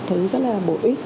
thấy rất là bổ ích